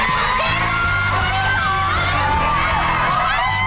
สโตปินี่๒